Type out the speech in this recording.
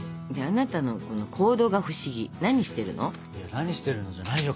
何してるのじゃないよ